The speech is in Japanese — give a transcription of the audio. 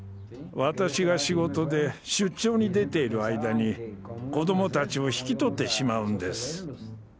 私が仕事で出張に出ている間に子どもたちを引き取ってしまうんです。